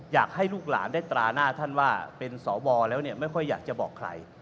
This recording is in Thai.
อยากให้ลูกหลานได้ตราหน้าท่านว่าเป็นสวแล้วเนี่ยไม่ค่อยอยากจะบอกใคร